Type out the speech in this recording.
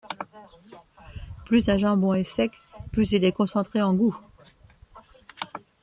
Plus un jambon est sec, plus il est concentré en goût.